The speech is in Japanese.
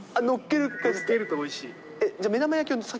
のっけるとおいしい。